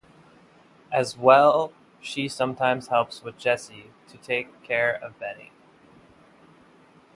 As well she sometimes helps with Jessie to take care of Benny.